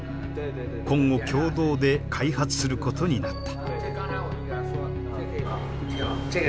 今後共同で開発することになった。